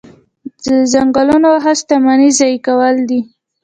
د ځنګلونو وهل شتمني ضایع کول دي.